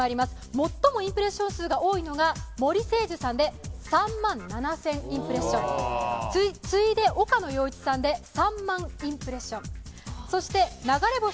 最もインプレッション数が多いのは、もりせいじゅさんで３万７０００インプレッション次いで、岡野陽一さんで、３万インプレッションそして、流れ星☆